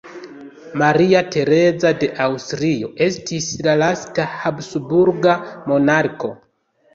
Maria Tereza de Aŭstrio estis la lasta habsburga monarko.